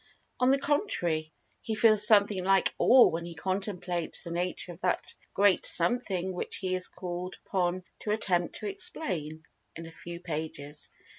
On the contrary, he feels something like awe when he contemplates the nature of that great Something which he is called upon to attempt to "explain" in a few pages.